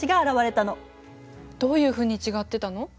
どういうふうに違ってたの？